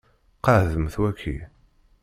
Qeɛdemt waki.